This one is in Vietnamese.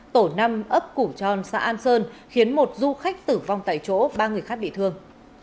tổ năm ấp củ tròn xã an sơn khiến một du khách tử vong tại chỗ ba người khác bị thương